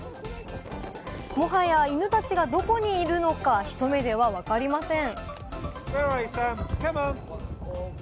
もはや犬たちがどこにいるのか、一目ではわかりません。